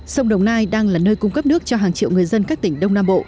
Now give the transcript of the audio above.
sông đồng nai đang là nơi cung cấp nước cho hàng triệu người dân các tỉnh đông nam bộ